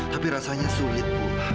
tapi rasanya sulit bu